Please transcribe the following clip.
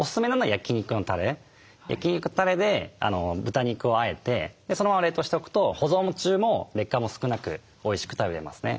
焼肉のたれで豚肉をあえてそのまま冷凍しておくと保存中も劣化も少なくおいしく食べれますね。